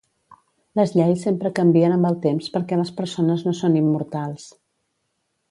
Les lleis sempre canvien amb el temps per que les persones no són immortals